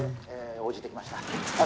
応じてきました